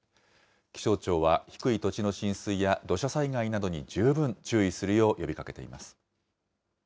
気象庁は低い土地の浸水や土砂災害などに十分注意するよう呼びかけています。